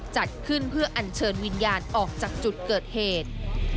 จัดขึ้นเพื่ออัญเชิญวิญญาณออกจากจุดเกิดเหตุ